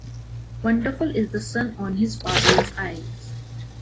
Wonderful is the son on his father’s eyes.